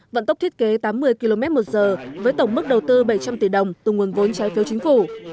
vận tốc thiết kế tám mươi km một giờ với tổng mức đầu tư bảy trăm linh tỷ đồng từ nguồn vốn trái phiếu chính phủ